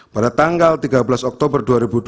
pada tanggal tiga belas oktober dua ribu dua puluh